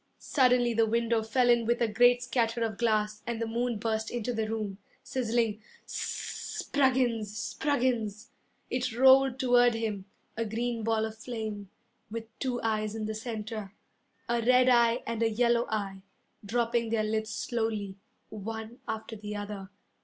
Suddenly the window fell in with a great scatter of glass, And the moon burst into the room, Sizzling "S s s s s Spruggins! Spruggins!" It rolled toward him, A green ball of flame, With two eyes in the center, A red eye and a yellow eye, Dropping their lids slowly, One after the other.